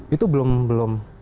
itu belum belum